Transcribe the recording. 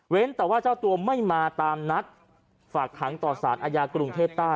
แต่ว่าเจ้าตัวไม่มาตามนัดฝากขังต่อสารอาญากรุงเทพใต้